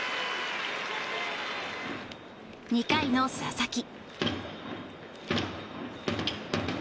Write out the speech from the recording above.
２回の佐々木。